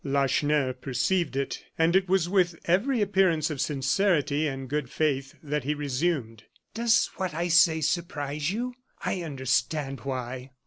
Lacheneur perceived it, and it was with every appearance of sincerity and good faith that he resumed: "Does what I say surprise you? I understand why.